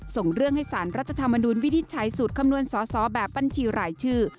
สูตรคำนวณสอบแบบบัญชีรายชื่อ